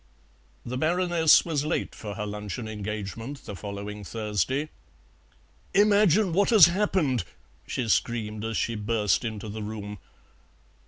The Baroness was late for her luncheon engagement the following Thursday. "Imagine what has happened!" she screamed as she burst into the room.